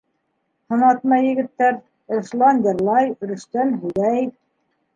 Һынатмай егеттәр: Руслан йырлай, Рөстәм һөйләй.